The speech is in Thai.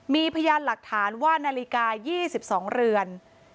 มีพยานหลักฐานว่านาฬิกา๒๒เรือน